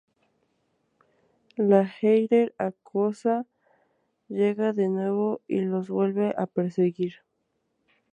La Heather-acuosa llega de nuevo y los vuelve a perseguir.